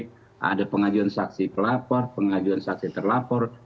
ada duplik ada pengajuan saksi pelapor pengajuan saksi terlapor